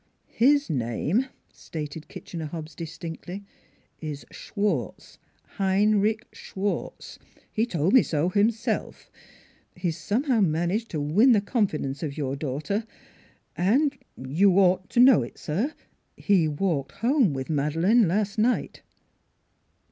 " His name," stated Kitchener Hobbs distinctly, " is Schwartz Heinrich Schwartz. He told me so himself. ... He has somehow managed to win the confidence of your daughter and you 286 NEIGHBORS ought to know it, sir, he walked home with Madeleine last night."